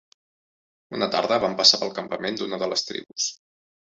Una tarda, van passar pel campament d'una de les tribus.